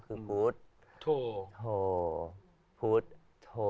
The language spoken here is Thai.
พุทธโฑพุทธโฑ